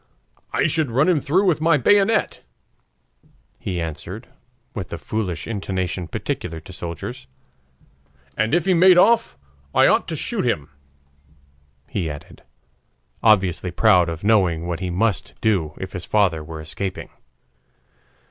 "I should run him through with my bayonet," he answered with the foolish intonation peculiar to soldiers; "and if he made off, I ought to shoot him," he added, obviously proud of knowing what he must do if his father were escaping.